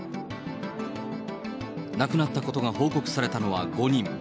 亡くなったことが報告されたのは５人。